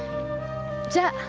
じゃあ。